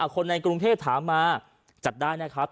คนในกรุงเทพถามมาจัดได้นะครับ